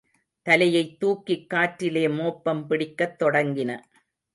தலையைத் தூக்கிக் காற்றிலே மோப்பம் பிடிக்கத் தொடங்கின.